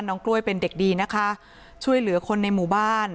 กล้วยเป็นเด็กดีนะคะช่วยเหลือคนในหมู่บ้าน